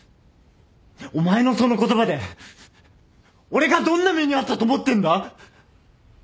お前のその言葉で俺がどんな目に遭ったと思ってんだ！